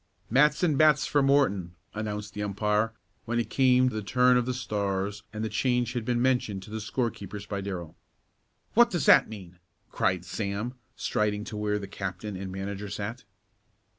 "Matson bats for Morton!" announced the umpire when it came the turn of the Stars and the change had been mentioned to the score keepers by Darrell. "What does that mean?" cried Sam, striding to where the captain and manager sat.